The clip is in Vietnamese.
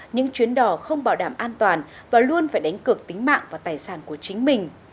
những chuyến đò không bảo đảm an toàn và luôn phải đánh cực tính mạng và tài sản của chính mình